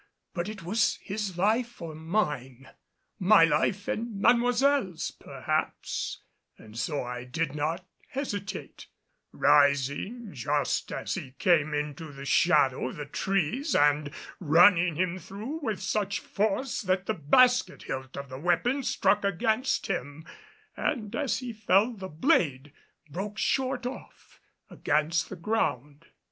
But it was his life or mine, my life and Mademoiselle's, perhaps and so I did not hesitate, rising just as he came into the shadow of the trees and running him through with such force that the basket hilt of the weapon struck against him and as he fell the blade broke short off against the ground.